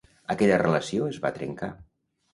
Aquella relació es va trencar.